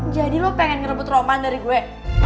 jadi lo pengen ngerebut roman dari gue